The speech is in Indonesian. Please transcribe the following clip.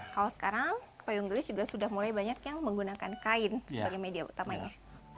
kalau sekarang payung gelis juga sudah mulai banyak yang menggunakan kain sebagai media utamanya